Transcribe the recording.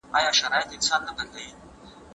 شاه جهان غوښتل چې خپله بایللې خاوره بېرته ترلاسه کړي.